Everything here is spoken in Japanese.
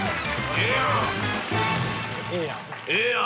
ええやん。